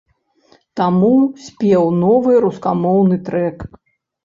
Таму спеў новы рускамоўны трэк.